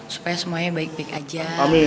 supaya semuanya baik baik aja